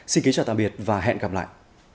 xin kính chào tạm biệt và hẹn gặp lại